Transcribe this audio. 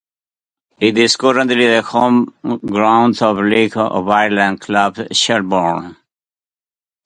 It is currently the home ground of League of Ireland club Shelbourne.